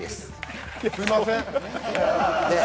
すいません。